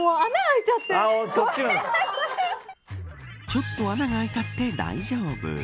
ちょっと穴が開いたって大丈夫。